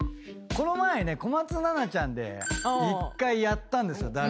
この前ね小松菜奈ちゃんで１回やったんですよ